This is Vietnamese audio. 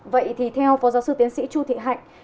vậy thì theo phó giáo sư tiến sĩ chu thị hạnh